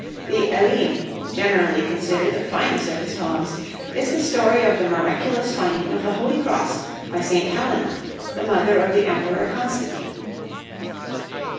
The 'Elene,' generally considered the finest of his poems, is the story of the miraculous finding of the holy cross by St. Helena, the mother of the Emperor Constantine.